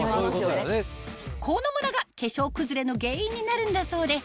このムラが化粧崩れの原因になるんだそうです